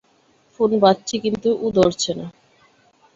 Phone বাজছে কিন্তু ও ধরছে না।